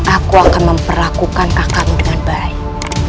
aku akan memperlakukan kakakmu dengan baik